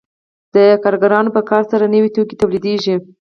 د کارګرانو په کار سره نوي توکي تولیدېږي